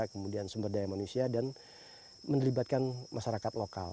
kemudian sumber daya manusia dan melibatkan masyarakat lokal